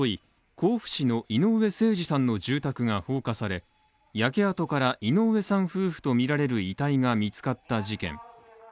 甲府市の井上盛司さんの住宅が放火され、焼け跡から井上さん夫婦とみられる遺体が見つかった事件。